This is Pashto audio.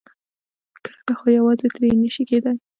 کرکه خو یوار ترې نشي کېدای.